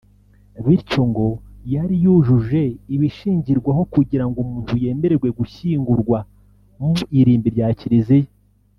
bityo ngo yari yujuje ibishingirwaho kugira ngo umuntu yemererwe gushyingurwa mu irimbi rya Kiliziya